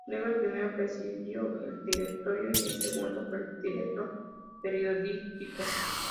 Luego el primero presidió el directorio, y el segundo fue el director periodístico.